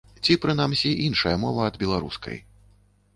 Ці, прынамсі, іншая мова ад беларускай.